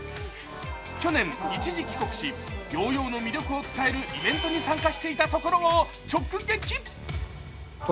去年、一時帰国し、ヨーヨーの魅力を伝えるイベントに参加していたところを直撃。